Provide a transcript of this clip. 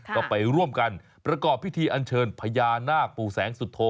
ก็ไปร่วมกันประกอบพิธีอันเชิญพญานาคปู่แสงสุโธ